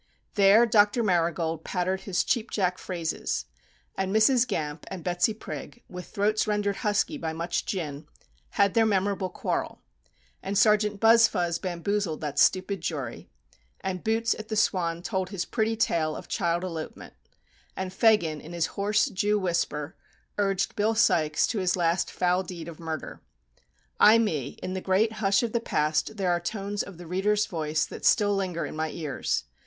There Dr. Marigold pattered his cheap jack phrases; and Mrs. Gamp and Betsy Prig, with throats rendered husky by much gin, had their memorable quarrel; and Sergeant Buzfuz bamboozled that stupid jury; and Boots at the Swan told his pretty tale of child elopement; and Fagin, in his hoarse Jew whisper, urged Bill Sikes to his last foul deed of murder. Ay me, in the great hush of the past there are tones of the reader's voice that still linger in my ears!